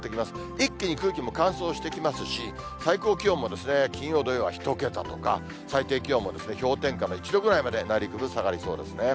一気に空気も乾燥してきますし、最高気温も、金曜、土曜は１桁とか、最低気温も氷点下の１度ぐらいまで、内陸部では下がりそうですね。